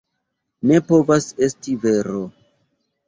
Ne povas esti vero!